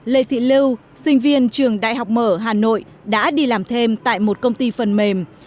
lê thị lưu sinh viên trường đại học mở hà nội đã đi làm thêm tại một công ty phần mềm